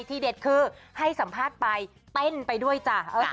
ที่เด็ดคือให้สัมภาษณ์ไปเต้นไปด้วยจ้ะ